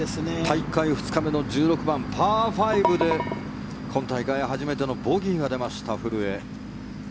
大会２日目の１６番、パー５で今大会初めてのボギーが出ました古江。